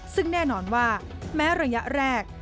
ซึ่งแน่นอนว่าแม้ระยะแรก